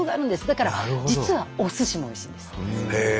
だから実はおすしもおいしいんです。